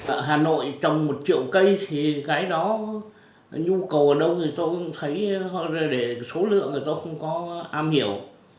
ở hà nội trồng một triệu cây thì cái đó nhu cầu ở đâu thì tôi cũng thấy để số lượng người ta không có am hiểu